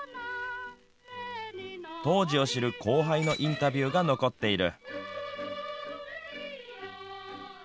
当時を知る後輩のインタビューが残っている。